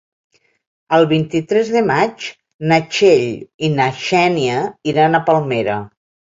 El vint-i-tres de maig na Txell i na Xènia iran a Palmera.